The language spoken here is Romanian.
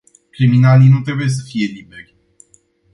Criminalii nu trebuie să fie liberi.